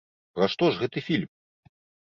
Пра што ж гэты фільм?